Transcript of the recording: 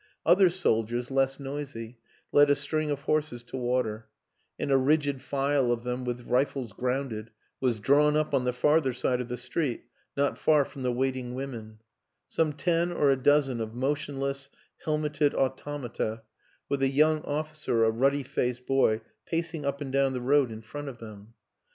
Other soldiers, less noisy, led a string of horses to water; and a rigid file of them with rifles grounded, was drawn up on the farther side of the street not far from the wait ing women; some ten or a dozen of motionless helmeted automata, with a young officer, a ruddy faced boy, pacing up and down the road in front of them.